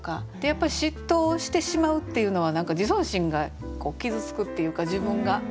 やっぱり嫉妬をしてしまうっていうのは何か自尊心が傷つくっていうか自分が。